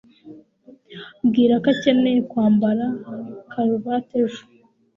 Bwira ko akeneye kwambara karuvati ejo.